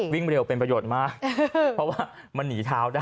วิ่งเร็วเป็นประโยชน์มากเพราะว่ามันหนีเท้าได้